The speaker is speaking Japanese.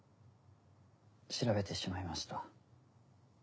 調べてしまいました。